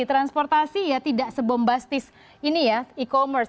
transportasi ya tidak sebombastis ini ya e commerce